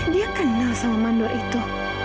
dia kenal sama mandor itu